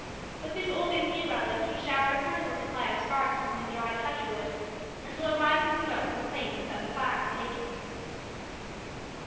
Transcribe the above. With this old Indian relic he showered a plentiful supply of sparks upon the dry touch wood, until a rising smoke proclaimed that the fire had taken.